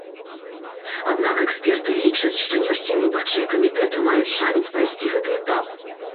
Аднак эксперты лічаць, што не ўсе выбарчыя камітэты маюць шанец прайсці гэты этап.